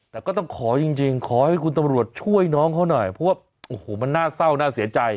แต่ก็ต้องขอจริงขอให้คุณตำรวจช่วยน้องเขาหน่อยเพราะว่าโอ้โหมันน่าเศร้าน่าเสียใจ